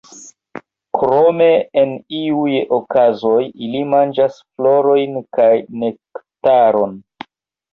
Krome en iuj okazoj ili manĝas florojn kaj nektaron.